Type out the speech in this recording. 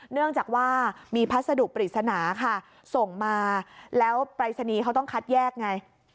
เนื่องจากว่ามีพัสดุปริศนาค่ะส่งมาแล้วปรายศนีย์เขาต้องคัดแยกไง